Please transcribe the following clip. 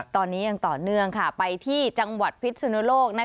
ตอนนี้ยังต่อเนื่องไปที่จังหวัดพิษสุนโลก